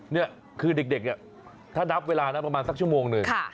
นี่คือเด็กเนี่ยถ้านับเวลานะประมาณสักชั่วโมงหนึ่ง